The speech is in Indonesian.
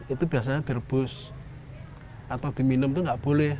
itu biasanya direbus atau diminum itu nggak boleh